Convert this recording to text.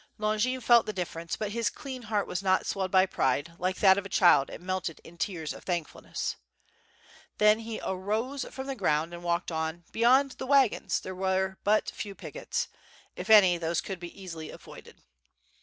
Longin felt the diflference, but his clean heart was not y64 ^^^^^^^^^^^ SWORD, swelled by pride, like that of a child it melted in tears of thankfulness. Then he arose from the ground and walked on, beyond the wagons there were but few pickets; if any, those could be easily avoided.